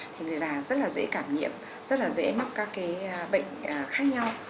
thì người già rất là dễ cảm nhiễm rất là dễ mắc các cái bệnh khác nhau